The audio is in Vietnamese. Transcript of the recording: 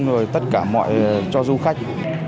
và tất cả mọi cho du khách